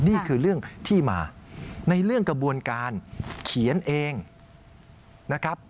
นี่คือเรื่องที่มาในเรื่องกระบวนการเขียนเองนะครับ